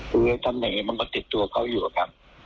คือตำแหน่งนี้มันก็ติดตัวเข้าอยู่ครับ